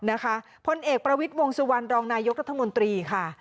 พลเอกประวิทย์วงสุวรรณรองนายกรัฐมนตรีค่ะ